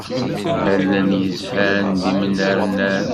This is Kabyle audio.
Allen yezhan d imnernan.